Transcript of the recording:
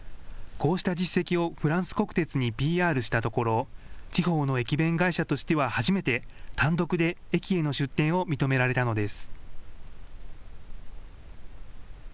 こうした実績をフランス国鉄にＰＲしたところ、地方の駅弁会社としては初めて、単独で駅への出店を認められたのです。